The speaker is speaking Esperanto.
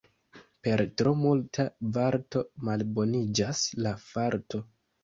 Per tro multa varto malboniĝas la farto.